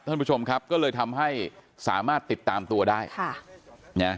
ท่านผู้ชมครับก็เลยทำให้สามารถติดตามตัวได้ค่ะนะ